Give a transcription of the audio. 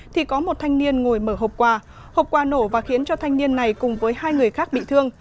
thì có một thanh niên ngồi mở hộp quà hộp quà nổ và khiến cho thanh niên này cùng với hai người khác bị thương